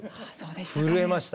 震えました。